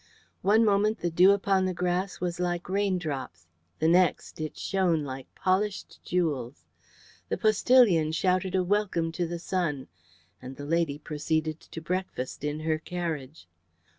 One moment the dew upon the grass was like raindrops, the next it shone like polished jewels. The postillion shouted a welcome to the sun, and the lady proceeded to breakfast in her carriage.